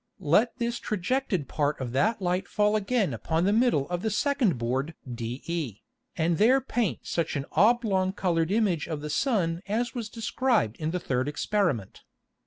Let this trajected part of that Light fall again upon the middle of the second Board de, and there paint such an oblong coloured Image of the Sun as was described in the third Experiment.